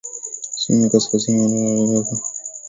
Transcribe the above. sehemu ya kaskazini ya eneo lindwa la Kamerun ya Kiingereza mati ya